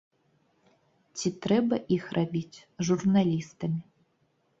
Ці трэба іх рабіць журналістамі?